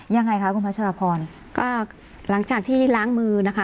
ยังไงคะคุณพัชรพรก็หลังจากที่ล้างมือนะคะ